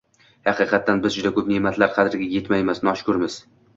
Haqiqatan, biz juda ko‘p ne’matlar qadriga yetmaymiz, noshukrmiz.